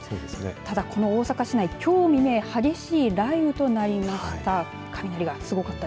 ただ、この大阪市内きょう未明激しい雷雨となりました。